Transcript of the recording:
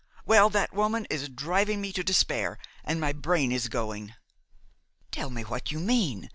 Well, that woman is driving me to despair, and my brain is going." "Tell me what you mean